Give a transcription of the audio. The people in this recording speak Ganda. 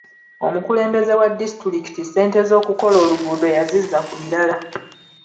Omukulembeze wa disitulikiti ssente z'okukola oluguudo yazizza ku birala.